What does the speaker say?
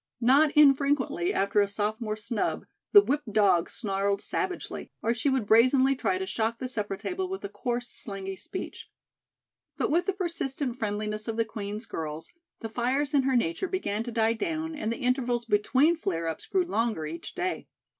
Not infrequently after a sophomore snub, the whipped dog snarled savagely; or she would brazenly try to shock the supper table with a coarse, slangy speech. But with the persistent friendliness of the Queen's girls, the fires in her nature began to die down and the intervals between flare ups grew longer each day.